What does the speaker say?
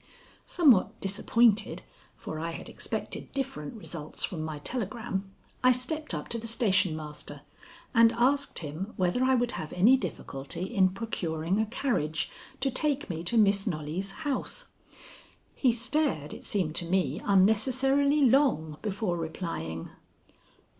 Somewhat disappointed, for I had expected different results from my telegram, I stepped up to the station master, and asked him whether I would have any difficulty in procuring a carriage to take me to Miss Knollys' house. He stared, it seemed to me, unnecessarily long, before replying.